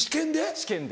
試験で。